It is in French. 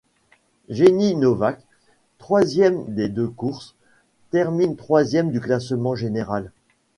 Jenny Nowak, troisième des deux courses, termine troisième du classement général.